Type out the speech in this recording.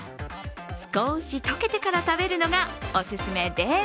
少し溶けてから食べるのがお勧めです。